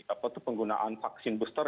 apa itu penggunaan vaksin booster